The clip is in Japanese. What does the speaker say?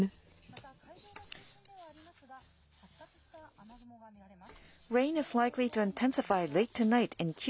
また、海上が中心ではありますが発達した雨雲が見られます。